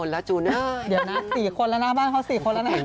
เล่นกันปกติ